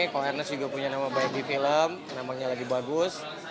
kalau ernest juga punya nama baik di film namanya lagi bagus